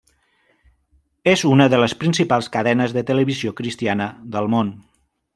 És una de les principals cadenes de televisió cristiana del Món.